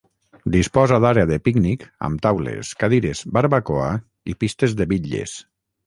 Disposa d’àrea de pícnic amb taules, cadires, barbacoa i pistes de bitlles.